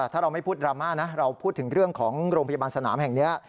ถ้าเราไม่พูดดราม่านะเราพูดถึงเรื่องของโรงพยาบาลสนามแห่งนี้